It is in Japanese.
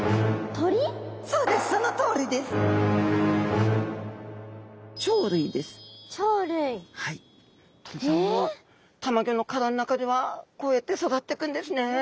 鳥さんもたまギョの殻の中ではこうやって育ってくんですね。